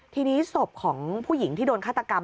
ทีนี้ศพของผู้หญิงที่โดนฆาตกรรม